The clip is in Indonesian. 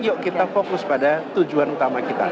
yuk kita fokus pada tujuan utama kita